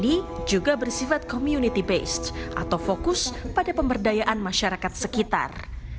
ini juga bersifat community based atau fokus pada pemberdayaan masyarakat sekitar